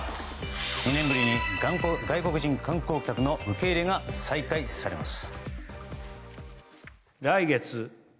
２年ぶりに外国人観光客の受け入れが再開されます。